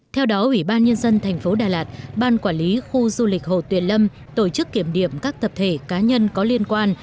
theo đó ủy ban nhân dân thành phố đà lạt ban quản lý khu du lịch hồ tuyền lâm tổ chức kiểm điểm các tập thể cá nhân có liên quan